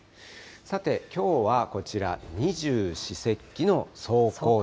さて、きょうはこちら、二十四節気の霜降。